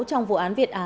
trong vụ án việt á